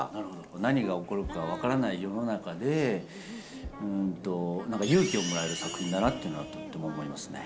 何が起こるか分からない世の中で、なんか勇気をもらえる作品だなというのはとっても思いますね。